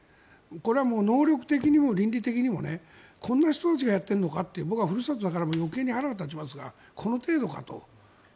これは能力的にも倫理的にもこんな人たちがやっているのかって僕はふるさとだから余計に腹が立ちますがこの程度かと。